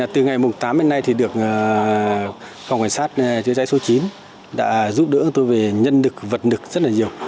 từ ngày tám đến nay thì được phòng cảnh sát chữa cháy số chín đã giúp đỡ tôi về nhân lực vật lực rất là nhiều